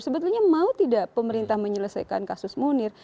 sebetulnya mau tidak pemerintah menyelesaikan kasus munir